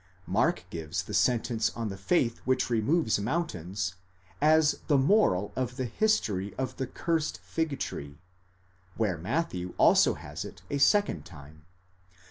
Mark gives the sentence on the faith which removes mountains as the moral of the history of the cursed fig tree, where Matthew also has it a second time.